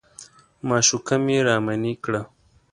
معشوقه مې رامنې کړه.